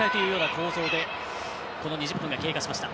構想で２０分が経過しました。